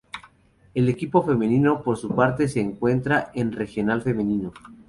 El equipo femenino, por su parte, se encuentra en Regional Femenino.